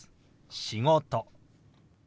「仕事」。